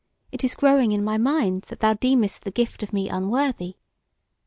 It is growing in my mind that thou deemest the gift of me unworthy!